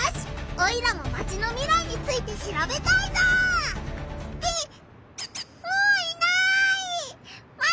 オイラもマチの未来についてしらべたいぞ！ってもういない！